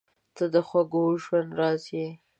• ته د خوږ ژوند راز یې.